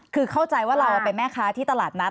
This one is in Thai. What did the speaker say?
คือเข้าใจว่าเราเป็นแม่ค้าที่ตลาดนัด